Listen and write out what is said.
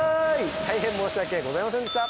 大変申し訳ございませんでした。